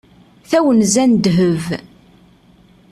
Tawenza n ddheb.